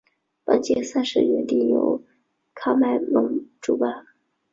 本届赛事原定由喀麦隆主办。